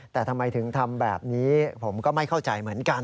แต่ทำไมถึงทำแบบนี้ผมก็ไม่เข้าใจเหมือนกัน